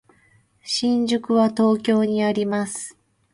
新宿は東京にあります。